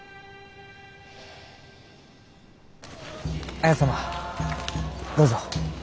綾様どうぞ。